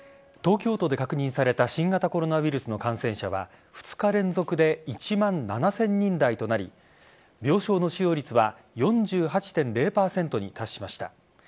東京都で確認された新型コロナウイルスの感染者は２日連続で１万７０００人台となり病床の使用率は４８．０％に達しました。